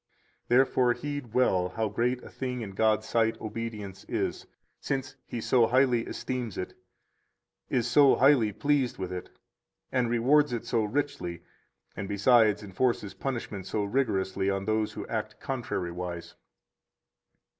139 Therefore heed well how great a thing in God's sight obedience is, since He so highly esteems it, is so highly pleased with it, and rewards it so richly, and besides enforces punishment so rigorously on those who act contrariwise.